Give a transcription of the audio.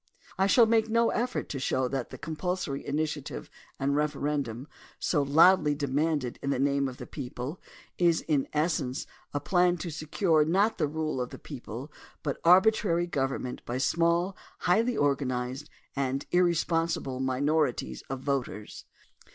I shall make no effort to show that the compulsory initiative and referendum, so loudly demanded in the name of the people, is in essence a plan to secure not the rule of the people but arbitrary government by small, highly organized, and irresponsible minorities of voters.